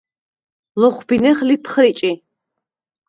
ლოხბინეხ ლიფხრიჭი.